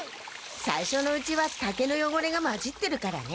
さいしょのうちは竹のよごれがまじってるからね。